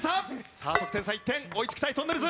さあ得点差１点追いつきたいとんねるず。